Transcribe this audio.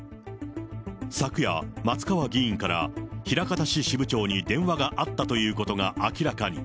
昨夜、松川議員から枚方市支部長に電話があったということが明らかに。